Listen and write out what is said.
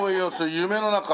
『夢の中へ』。